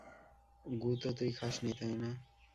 গু তো তুই খাস নি, তাই না?